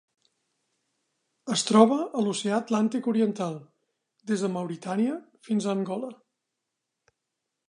Es troba a l'Oceà Atlàntic oriental: des de Mauritània fins a Angola.